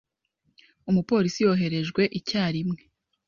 Umupolisi yoherejwe icyarimwe.